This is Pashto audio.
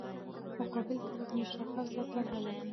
مقابل طرف مشخصه طرح لري.